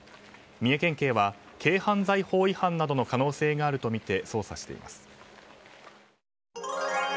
三重県警は軽犯罪法違反などの可能性があるとみて捜査しています。